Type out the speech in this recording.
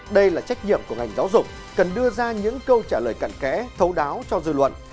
đây là trách nhiệm của ngành giáo dục cần đưa ra những câu trả lời cặn kẽ thấu đáo cho dư luận